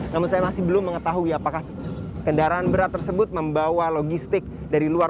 namun saya masih belum mengetahui apakah kendaraan berat tersebut membawa logistik dari luar